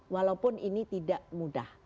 walaupun ini tidak mudah